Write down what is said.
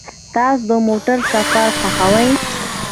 تاسو د موټر سفر خوښوئ؟